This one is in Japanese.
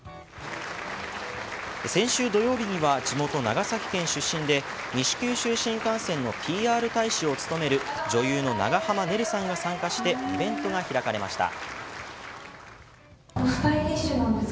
先週土曜日には地元・長崎県出身で西九州新幹線のＰＲ大使を務める女優の長濱ねるさんが参加してイベントが開かれました。